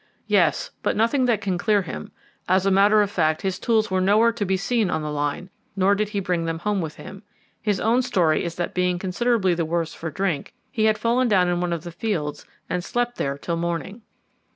"Yes; but nothing that can clear him. As a matter of fact, his tools were nowhere to be seen on the line, nor did he bring them home with him. His own story is that being considerably the worse for drink, he had fallen down in one of the fields and slept there till morning."